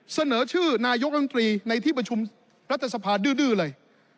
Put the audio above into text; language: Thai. เสนอชื่อนายกรมตรีในที่ประชุมรัฐสภาดื้อเลย